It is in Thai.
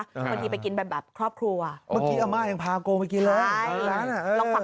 บางทีไปกินแบบแบบครอบครัวโอ้ยเมื่อกี้อาม่าแห่งพากงไปกินร้าน